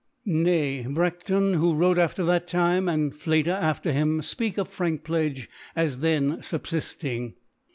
Nay, BraSion^ who wrote after that Time, and Fkta after him, fpeak of Frankpledge as then fubfiQing.